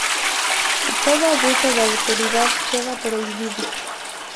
Todo abuso de autoridad queda prohibido.